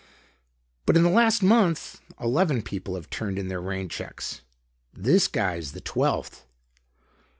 "But in the last month, eleven people have turned in their rain checks. This guy's the twelfth."